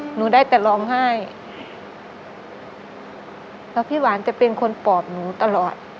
หนูได้แต่ร้องไห้แล้วพี่หวานจะเป็นคนปอบหนูตลอด